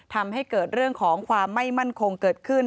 ทำให้เกิดเรื่องของความไม่มั่นคงเกิดขึ้น